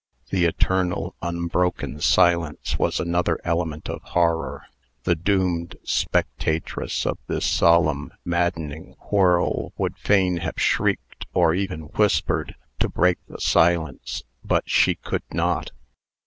The eternal, unbroken silence was another element of horror. The doomed spectatress of this solemn, maddening whirl would fain have shrieked, or even whispered, to break the silence, but she could not.